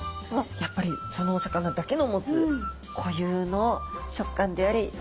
やっぱりそのお魚だけの持つ固有の食感であり脂の乗りですよね。